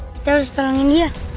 kita harus tolongin dia